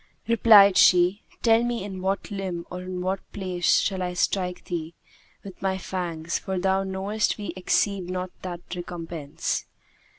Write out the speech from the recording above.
Replied she, 'Tell me in what limb or in what place shall I strike thee with my fangs, for thou knowest we exceed not that recompense.'